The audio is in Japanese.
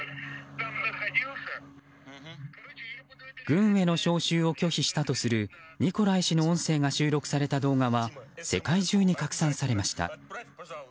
軍への招集を拒否したとするニコライ氏の音声が収録された動画は世界中に拡散されました。